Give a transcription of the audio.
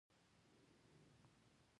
د څو دقیقو اخ و ډب په نتیجه کې ټپیان شول.